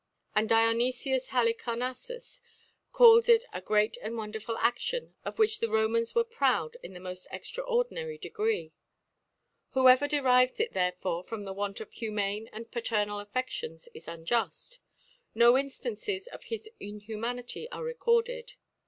And hionyfius Halicarnajfeus f calls it a great and wonderful ASion^ of which the Romans were proud in the moft extraordinary Degree. Whoever derives it therefore from the Want of humane and paternal AfFedions is un juft ; no Inftances of his Inhumanity are re corded.